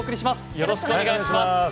よろしくお願いします。